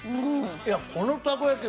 いやこのたこ焼き